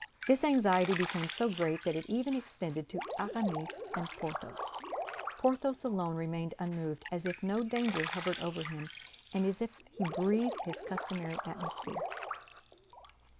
This anxiety became so great that it even extended to Aramis and Porthos. Athos alone remained unmoved, as if no danger hovered over him, and as if he breathed his customary atmosphere.